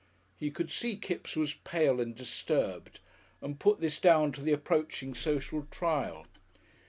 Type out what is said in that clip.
He could see Kipps was pale and disturbed and put this down to the approaching social trial.